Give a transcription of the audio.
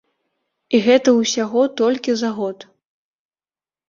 І гэта ўсяго толькі за год!